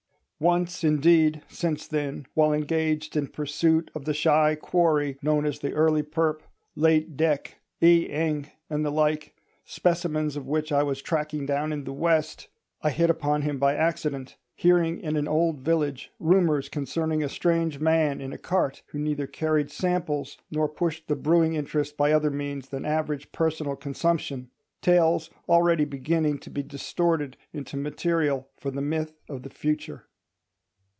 Once indeed, since then, while engaged in pursuit of the shy quarry known as the Early Perp., late Dec., E. Eng., and the like, specimens of which I was tracking down in the west, I hit upon him by accident; hearing in an old village rumours concerning a strange man in a cart who neither carried samples nor pushed the brewing interest by other means than average personal consumption—tales already beginning to be distorted into material for the myth of the future.